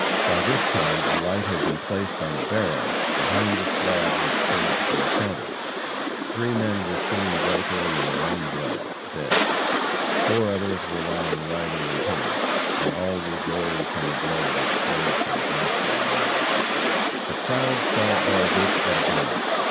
By this time a light had been placed on a barrel behind the slab which served for a counter. Three men were seen weltering in their own blood dead. Four others were lying writhing in pain, and all were gory from the blood which flowed from ghastly wounds. [Illustration: Fight in a Gambler's Den.] The crowd saw all this at a glance.